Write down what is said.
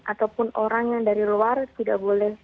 ataupun orang yang dari luar tidak boleh